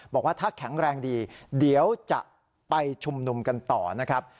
บอกว่าถ้าแข็งแรงดีเดี๋ยวจะไปชุมนุมกันต่อนะครับ